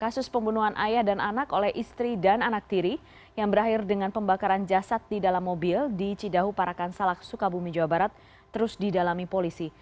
kasus pembunuhan ayah dan anak oleh istri dan anak tiri yang berakhir dengan pembakaran jasad di dalam mobil di cidahu parakan salak sukabumi jawa barat terus didalami polisi